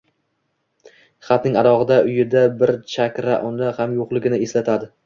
Xatning adog‘ida uyida bir chakra uni ham yo‘qligini eslatadi.